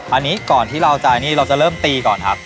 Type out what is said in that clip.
อันนี้ก่อนที่เราจะเริ่มตีก่อนครับ